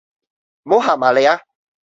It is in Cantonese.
唔好行埋嚟呀